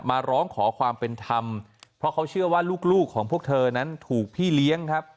มาร้องขอความเป็นธรรมเพราะเขาเชื่อว่าลูกของพวกเธอนั้นถูกพี่เลี้ยงครับ